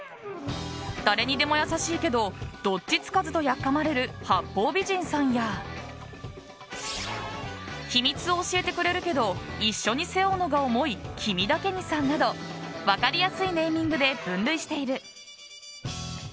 誰にでも優しいけどどっちつかずとやっかまれる八方美人さんや秘密を教えてくれえるけど一緒に背負うのが重い君だけにさんなど分かりやすいネーミングで分類している。